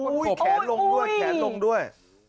อุ้ยแขนลงด้วย